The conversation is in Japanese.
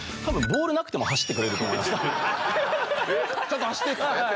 「ちょっと走って」って。